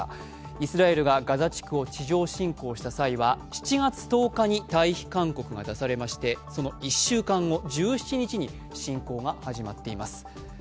イスラエルがガザ地区を地上侵攻した際は７月１０日に退避勧告が出されましてその１週間後１７日に侵攻が始まっています。